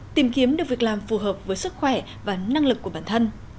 tìm kiếm được việc làm phù hợp với sức khỏe và năng lực của bản thân